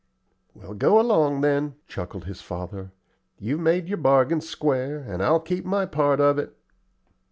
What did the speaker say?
"Well, go along then," chuckled his father; "you've made your bargain square, and I'll keep my part of it."